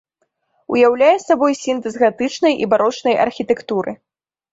Уяўляе сабой сінтэз гатычнай і барочнай архітэктуры.